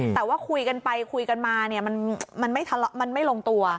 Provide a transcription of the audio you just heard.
แต่ว่าคุยกันไปคุยกันมาเนี่ยมันไม่ลงตัว